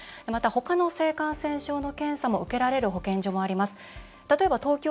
他の性感染症の検査も受けられる箇所もあります。